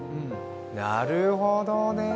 なるほどね。